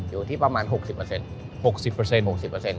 อยู่ที่ประมาณ๖๐เปอร์เซ็นต์